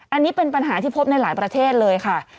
อันนี้เป็นปัญหาที่พบในหลายประเทศเลยค่ะ